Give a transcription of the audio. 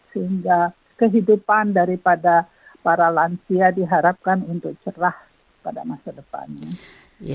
sehingga kehidupan daripada para lansia diharapkan untuk cerah pada masa depannya